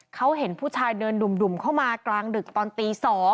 เขาเห็นผู้ชายเดินดุ่มเข้ามากลางดึกตอนตี๒